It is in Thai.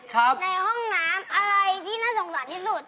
ในห้องน้ำอะไรที่น่าสงสารที่สุด